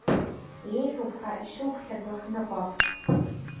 Еиӷьуп ҳәа ишуԥхьаӡо, ҳныҟәап.